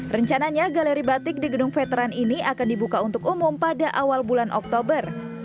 rencananya galeri batik di gedung veteran ini akan dibuka untuk umum pada awal bulan oktober